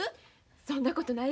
そんなことない。